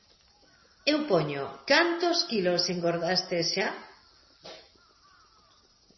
Eu poño: cantos quilos engordastes xa?